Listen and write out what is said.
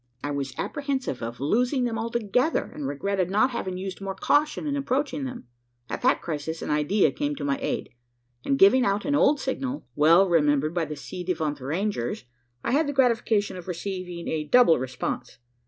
I was apprehensive of losing them altogether; and regretted not having used more caution in approaching them. At that crisis, an idea came to my aid; and giving out an old signal, well remembered by the ci devant rangers, I had the gratification of receiving a double response.